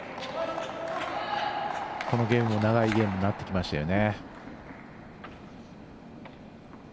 このゲームも長いゲームになってきましたよね。